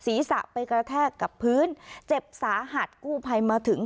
ศีรษะไปกระแทกกับพื้นเจ็บสาหัสกู้ภัยมาถึง